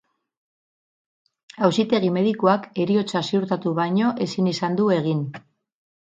Auzitegi-medikuak heriotza ziurtatu baino ezin izan du egin.